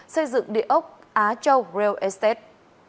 xây dựng địa ốc á châu rail estate